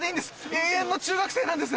永遠の中学生なんです！